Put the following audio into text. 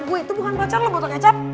gue itu bukan pacar lo botol kecap